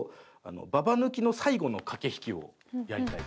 ババ抜きの最後の駆け引きをやりたいと。